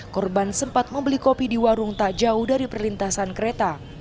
korban sempat membeli kopi di warung tak jauh dari perlintasan kereta